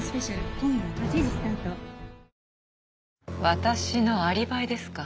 私のアリバイですか？